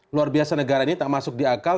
luar biasa negara ini tak masuk di akal